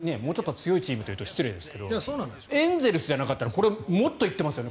ピッチャーもあまりもうちょっと強いチームというと失礼ですがエンゼルスじゃなかったらこれもっといっていますよね。